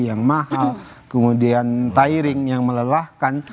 yang mahal kemudian tiring yang melelahkan